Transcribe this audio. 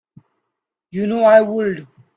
You know I would.